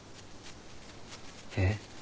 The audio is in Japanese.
えっ？